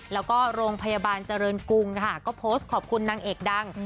แล้วก็โรงพยาบาลเจริญกรุงค่ะก็โพสต์ขอบคุณนางเอกดัง